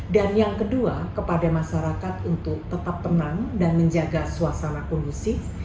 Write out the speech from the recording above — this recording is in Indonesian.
dan yang kedua kepada masyarakat untuk tetap tenang dan menjaga suasana kondusif